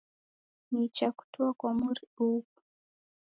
Nicha kutua kwa mori ughu